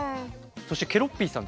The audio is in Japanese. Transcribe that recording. そしてケロッピーさんですね